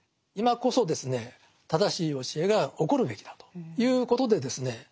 今こそですね正しい教えが起こるべきだということでですね